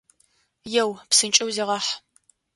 Еу, псынкӏэу зегъахь!